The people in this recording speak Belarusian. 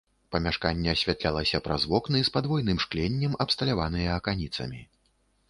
Памяшканне асвятлялася праз вокны з падвойным шкленнем, абсталяваныя аканіцамі.